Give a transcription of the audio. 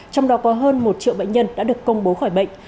trong đó có hơn một triệu bệnh nhân đã được công bố khỏi bệnh